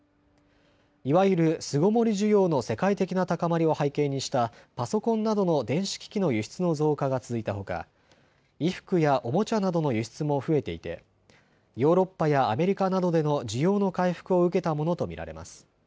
いわゆる巣ごもり需要の世界的な高まりを背景にしたパソコンなどの電子機器の輸出の増加が続いたほか、衣服やおもちゃなどの輸出も増えていてヨーロッパやアメリカなどでの需要の回復を受けたものと見られます。